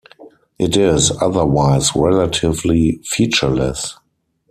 It is otherwise relatively featureless.